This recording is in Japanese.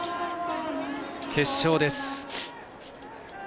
決勝です。